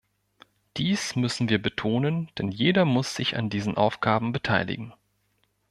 Dies müssen wir betonen, denn jeder muss sich an diesen Aufgaben beteiligen.